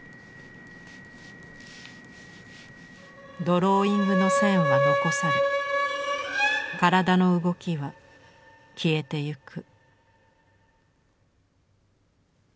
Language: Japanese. ドローイングの線は残され身体の動きは消えてゆく。